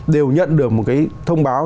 đều nhận được một cái thông báo